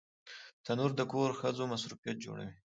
تنور د کور ښځو مصروفیت جوړوي